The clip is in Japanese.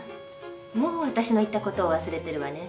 もう私の言った事を忘れてるわね。